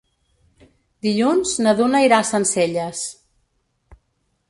Dilluns na Duna irà a Sencelles.